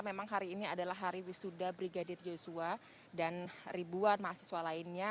memang hari ini adalah hari wisuda brigadir yosua dan ribuan mahasiswa lainnya